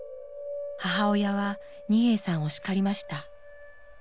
母親は二瓶さんを叱りました。